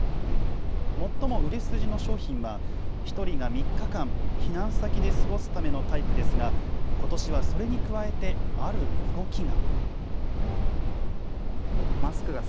最も売れ筋の商品は、１人が３日間、避難先で過ごすためのタイプですが、ことしはそれに加えて、ある動きが。